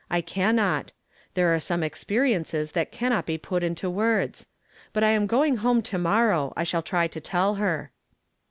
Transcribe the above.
I cannot. There are some experiences that can not be put into words. But I am going home to morrow. I shall try to tell her."